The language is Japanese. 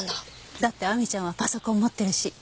だって亜美ちゃんはパソコン持ってるし。